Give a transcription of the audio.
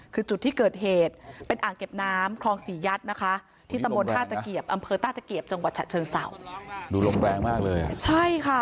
คือจุดที่เกิดเหตุเป็นอ่างเก็บน้ำครองสี่ยัดนะคะ